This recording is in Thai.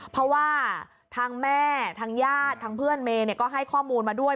เพราะว่าทางแม่ทางญาติทางเพื่อนเมย์ก็ให้ข้อมูลมาด้วย